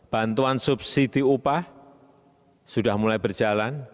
bantuan subsidi upah sudah mulai berjalan